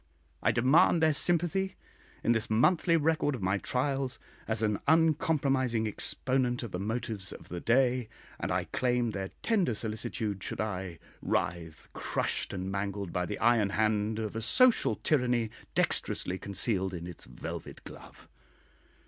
I demand their sympathy in this monthly record of my trials as an uncompromising exponent of the motives of the day, and I claim their tender solicitude should I writhe, crushed and mangled by the iron hand of a social tyranny dexterously concealed in its velvet glove.